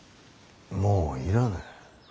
もう要らぬ。